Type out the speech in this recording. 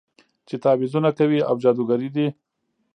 چې تعويذونه کوي او جادوګرې دي.